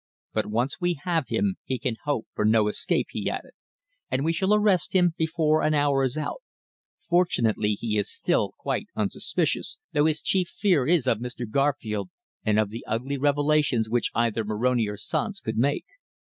But once we have him he can hope for no escape," he added. "And we shall arrest him before an hour is out. Fortunately he is still quite unsuspicious, though his chief fear is of Mr. Garfield, and of the ugly revelations which either Moroni or Sanz could make.